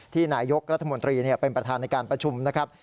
ที่หน่ายกฤษลัทธมเป็นประธานในการประชุมนะครับ